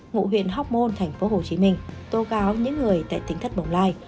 ngụ huyện hóc môn tp hcm tô gáo những người tại tỉnh thất bồng lai